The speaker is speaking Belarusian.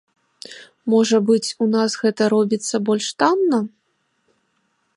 Можа быць, у нас гэта робіцца больш танна?